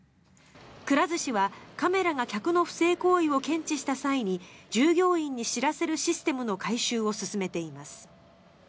くら寿司は、カメラが客の不正行為を検知した際に従業員に知らせるシステムの改修を進めています。